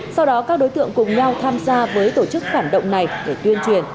sau đó các đối tượng cùng nhau tham gia với tổ chức phản động này để tuyên truyền